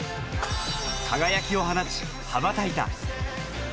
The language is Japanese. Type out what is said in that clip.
輝きを放ち羽ばたいた。